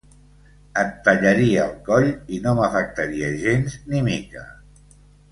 Et tallaria el coll i no m'afectaria gens ni mica.